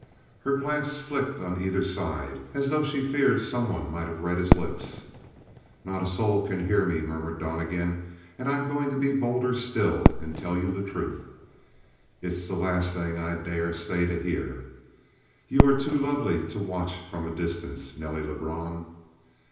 Her glance flicked on either side, as though she feared someone might have read his lips. "Not a soul can hear me," murmured Donnegan, "and I'm going to be bolder still, and tell you the truth." "It's the last thing I dare stay to hear." "You are too lovely to watch from a distance, Nelly Lebrun."